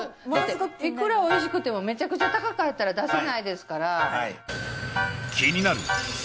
だっていくらおいしくてもめちゃくちゃ高かったら出せないですから。